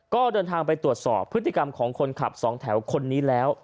ก็เดินทางไปตรวจสอบพฤติกรรมของคนขับสองแถวคนนี้แล้ว